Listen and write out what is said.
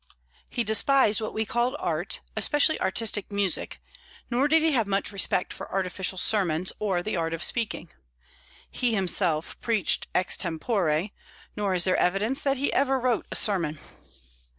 He despised what we call art, especially artistic music; nor did he have much respect for artificial sermons, or the art of speaking. He himself preached ex tempore, nor is there evidence that he ever wrote a sermon.